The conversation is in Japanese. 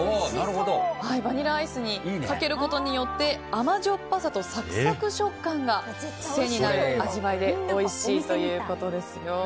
バニラアイスにかけることによって甘じょっぱさとサクサク食感が癖になる味わいでおいしいということですよ。